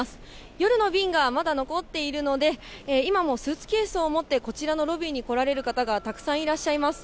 夜の便がまだ残っているので、今もスーツケースを持って、こちらのロビーに来られる方がたくさんいらっしゃいます。